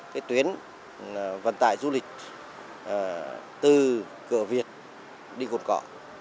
cái tuyến vận tải du lịch từ cửa việt đi cồn cỏ